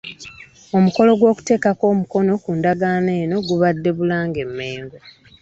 Omukolo gw'okuteeka omukono ku ndagaano eno gubadde mu Bulange Mmengo.